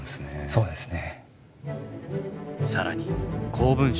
そうですね。